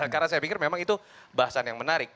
karena saya pikir memang itu bahasan yang menarik